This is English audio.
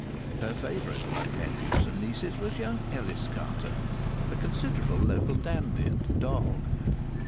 Her favourite among nephews and nieces was young Ellis Carter, a considerable local dandy and "dog."